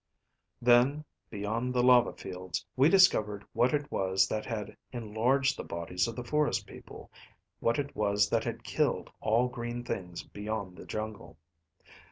"Then, beyond the lava fields, we discovered what it was that had enlarged the bodies of the forest people, what it was that had killed all green things beyond the jungle.